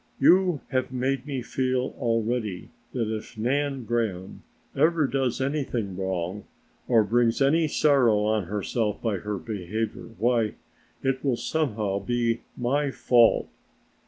You, have made me feel already that if Nan Graham ever does anything wrong or brings any sorrow on herself by her behavior, why it will somehow be my fault.